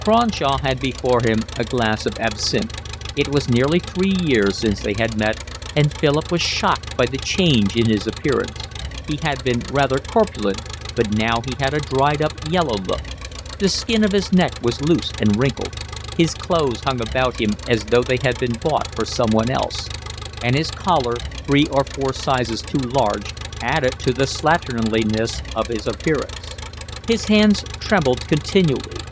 Cronshaw had before him a glass of absinthe. It was nearly three years since they had met, and Philip was shocked by the change in his appearance. He had been rather corpulent, but now he had a dried up, yellow look: the skin of his neck was loose and winkled; his clothes hung about him as though they had been bought for someone else; and his collar, three or four sizes too large, added to the slatternliness of his appearance. His hands trembled continually.